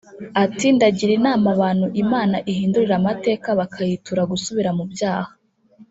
Ati”Ndagira inama abantu Imana ihindurira amateka bakayitura gusubira mu byaha